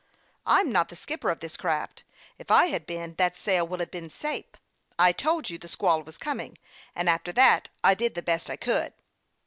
" I'm not the skipper of this craft. If I had been, that sail would have been safe. I told you the squall was coming, and after that I did the best I could."